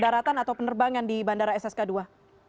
daratan atau penerbangan di bandara ssk ii